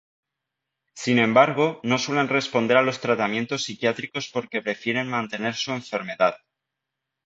Sin embargo, no suelen responder a los tratamientos psiquiátricos porque prefieren mantener su enfermedad.